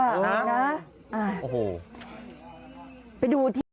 อ่านะอ้าวโอ้โหไปดูที่